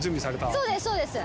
そうですそうです。